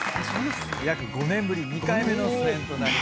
約５年ぶり２回目の出演となります。